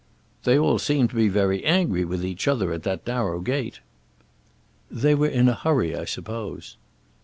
"They all seemed to be very angry with each other at that narrow gate." "They were in a hurry, I suppose."